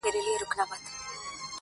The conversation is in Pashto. • لیکل سوي ټول د ميني افسانې دي,